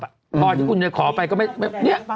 พอที่คุณขอไปก็ไม่